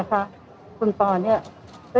ขอบคุณครับ